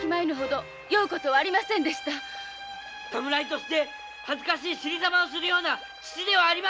侍として恥ずかしい死にざまをするような父ではない。